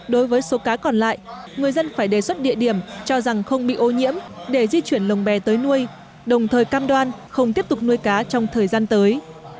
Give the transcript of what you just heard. đối với số cá còn lại người dân phải đề xuất địa điểm cho rằng không bị ô nhiễm để di chuyển lồng bè tới nuôi đồng thời cam đoan không tiếp tục nuôi cá trong thời gian tới